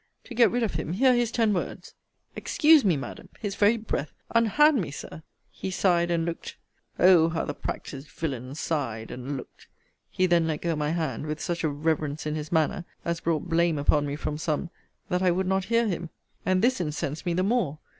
To get rid of him, hear his ten words. Excuse me, Madam! his very breath Unhand me, Sir! He sighed and looked O how the practised villain sighed and looked! He then let go my hand, with such a reverence in his manner, as brought blame upon me from some, that I would not hear him. And this incensed me the more.